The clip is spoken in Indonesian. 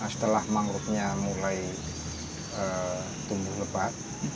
setelah mangrovenya mulai tumbuh lebat